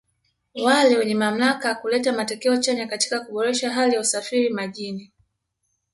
wale wenye mamlaka ya kuleta matokeo chanya katika kuboresha hali ya usafiri majini